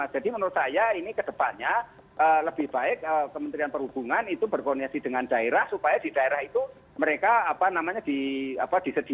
jadi menurut saya ini ke depannya lebih baik kementerian perhubungan itu berkoneksi dengan daerah supaya di daerah itu mereka apa namanya disediakan yang namanya transportasi